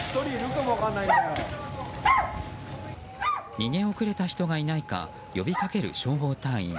逃げ遅れた人がいないか呼びかける消防隊員。